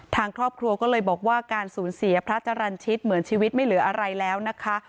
ทางครอบครัวก็เลยบอกว่าการสูญเสียพระจรรย์ชิตเหมือนชีวิตไม่เหลืออะไรแล้วนะคะ